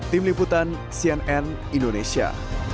tim liputan cnn indonesia